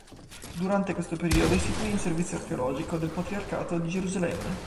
Durante questo periodo istituì un servizio archeologico del Patriarcato di Gerusalemme.